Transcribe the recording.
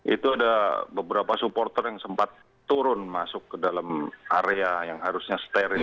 itu ada beberapa supporter yang sempat turun masuk ke dalam area yang harusnya steril